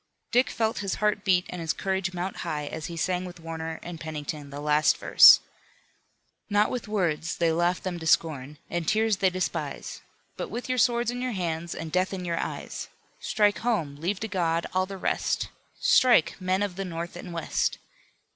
Dick felt his heart beat and his courage mount high, as he sang with Warner and Pennington the last verse: "Not with words; they laugh them to scorn, And tears they despise. But with swords in your hands And death in your eyes! Strike home! Leave to God all the rest; Strike! Men of the North and West!"